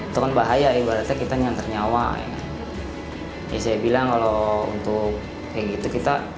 itu kan bahaya ibaratnya kita nyantar nyawa ya saya bilang kalau untuk kayak gitu kita